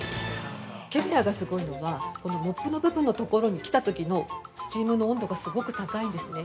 ケルヒャーがすごいのはこのモップの部分のところに来たときのスチームの温度がすごく高いんですね。